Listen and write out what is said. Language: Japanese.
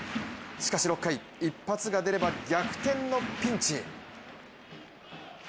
しかし６回、一発が出れば逆転のピンチ。